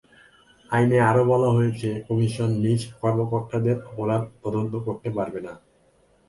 আইনে আরও বলা হয়েছে, কমিশন নিজ কর্মকর্তাদের অপরাধ তদন্ত করতে পারবে না।